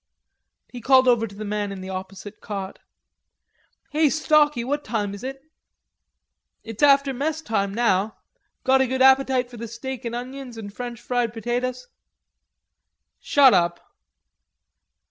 He called over to the man in the opposite cot: "Hay, Stalky, what time is it?" "It's after messtime now. Got a good appetite for the steak and onions and French fried potatoes?" "Shut up."